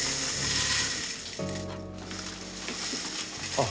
あっ。